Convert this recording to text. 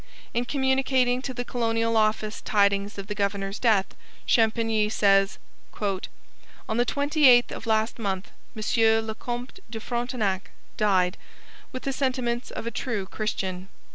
In communicating to the Colonial Office tidings of the governor's death, Champigny says: 'On the 28th of last month Monsieur le Comte de Frontenac died, with the sentiments of a true Christian.